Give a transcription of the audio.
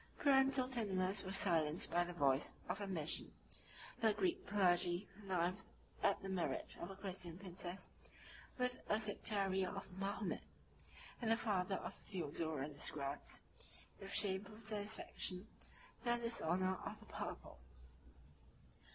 Parental tenderness was silenced by the voice of ambition: the Greek clergy connived at the marriage of a Christian princess with a sectary of Mahomet; and the father of Theodora describes, with shameful satisfaction, the dishonor of the purple.